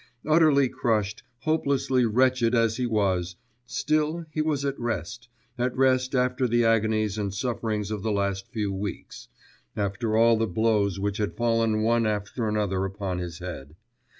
Utterly crushed, hopelessly wretched as he was, still he was at rest, at rest after the agonies and sufferings of the last few weeks, after all the blows which had fallen one after another upon his head.